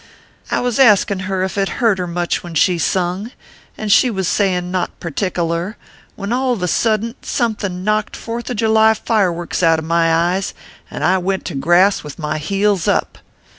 I was askin her cf it hurt her much when she sung, an she was sayin not partikeler, when all of a suddint somethin knocked Fourth o July fireworks out of my eyes, and I went to grass with my heels up.